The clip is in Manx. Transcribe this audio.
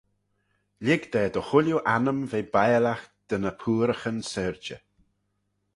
Lhig da dy chooilley annym ve biallagh dy ny pooaraghyn syrjey.